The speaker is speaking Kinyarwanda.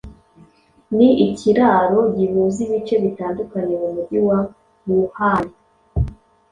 ni ikiraro gihuza ibice bitandukanye mu mujyi wa Wuhan